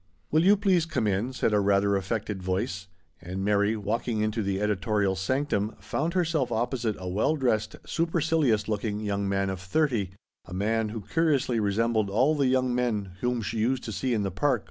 " Will you please come in ?" said a rather affected voice, and Mary, walking into the editorial sanctum, found herself opposite a well dressed, supercilious looking young man of thirty, a man who curiously resembled all the young men whom she used to see in the park on fine mornings.